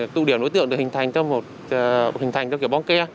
tụ điểm đối tượng được hình thành theo kiểu bong ke